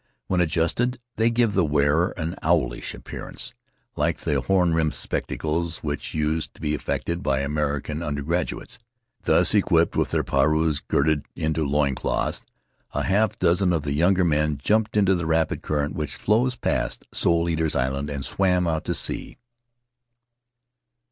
When adjusted they give the wearer an owlish appearance, like the horn rimmed spectacles which used to be affected by Amer ican undergraduates. Thus equipped, with their pareus girded into loin cloths, a half dozen of the younger men jumped into the rapid current which flows past Soul Eaters' Island and swam out to sea.